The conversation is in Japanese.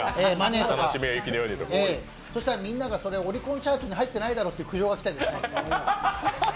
そうしたら、みんがそれはオリコンチャートに入っていないだろうと苦情が来てですね。